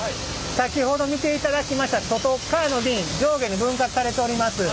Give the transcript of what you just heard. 先ほど見ていただきました外っかわの瓶上下に分割されております。